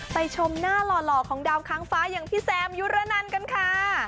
ชมหน้าหล่อของดาวค้างฟ้าอย่างพี่แซมยุระนันกันค่ะ